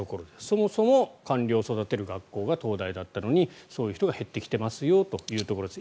そもそも官僚を育てる学校が東大だったのにそういう人が減ってきてますよというところです。